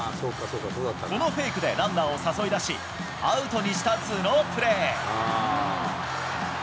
このフェイクでランナーを誘い出し、アウトにした頭脳プレー。